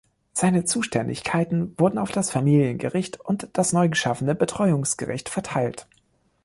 Seine Zuständigkeiten wurden auf das Familiengericht und das neu geschaffene Betreuungsgericht verteilt.